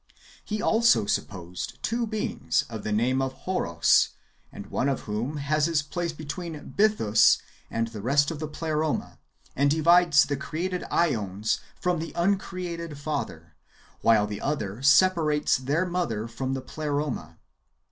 He also supposed two beings of the name of Iloros, the one of whom has his place between Bythus and the rest of the Pleroma, and divides the created ^ons from the uncreated Father, wdiile the other separates their mother from the Pleroma.